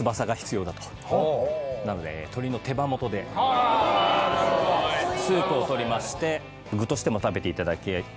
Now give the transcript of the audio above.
なので鶏の手羽元でスープをとりまして具としても食べていただきたいんで。